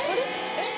えっ？